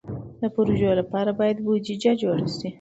د پروژو لپاره باید بودیجه جوړه شي.